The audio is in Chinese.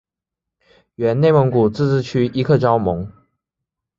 属内蒙古自治区伊克昭盟。